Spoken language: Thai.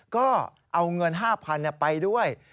ก็เอาเงิน๕๐๐๐ไปด้วย